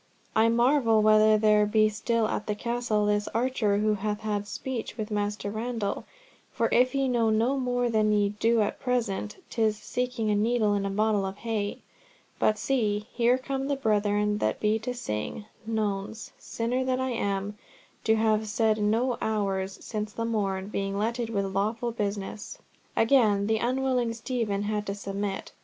"I marvel whether there be still at the Castle this archer who hath had speech with Master Randall, for if ye know no more than ye do at present, 'tis seeking a needle in a bottle of hay. But see, here come the brethren that be to sing Nones—sinner that I am, to have said no Hours since the morn, being letted with lawful business." Again the unwilling Stephen had to submit.